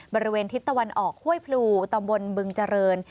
บริเวณทิศตะวันออกห้วยพลูตำบลบึงเจริญ